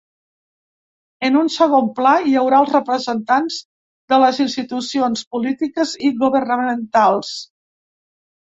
En un segon pla, hi haurà els representants de les institucions polítiques i governamentals.